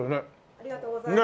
ありがとうございます。